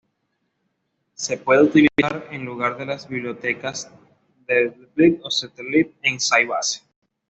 Se puede utilizar en lugar de las bibliotecas db-lib o ct-lib en Sybase.